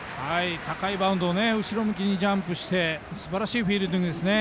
高いバウンドを後ろ向きにジャンプしてすばらしいフィールディングですね。